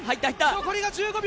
残りが１５秒。